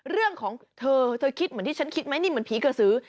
เรื่องของเธอเธอคิดเหมือนที่ฉันคิดไหมนี่เหมือนผีกระสือ